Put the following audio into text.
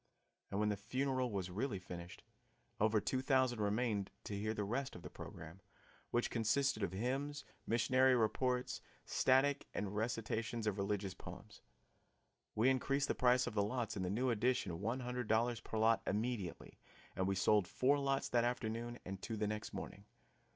And when the funeral was really finished, over two thousand remained to hear the rest of the program, which consisted of hymns, missionary reports, static and recitations of religious poems. We increased the price of the lots in the new addition one hundred dollars per lot immediately, and we sold four lots that afternoon and two the next morning.